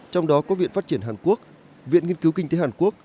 trong đó có viện phát triển hàn quốc viện nghiên cứu kinh tế hàn quốc